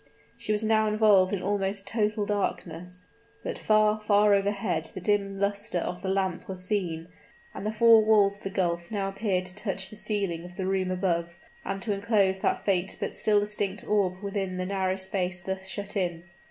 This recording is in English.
She was now involved in almost total darkness; but far far overhead the dim luster of the lamp was seen; and the four walls of the gulf now appeared to touch the ceiling of the room above, and to inclose that faint but still distinct orb within the narrow space thus shut in.